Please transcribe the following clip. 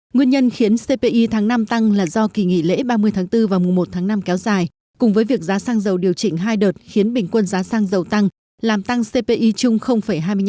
nguyên nhân khiến cpi tháng năm tăng là do kỳ nghỉ lễ ba mươi tháng bốn và mùa một tháng năm kéo dài cùng với việc giá xăng dầu điều chỉnh hai đợt khiến bình quân giá xăng dầu tăng làm tăng cpi chung hai mươi chín